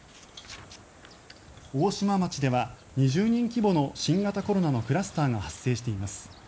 大島町では２０人規模の新型コロナのクラスターが発生しています。